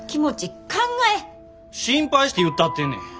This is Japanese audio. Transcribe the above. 心配して言ったってんねん！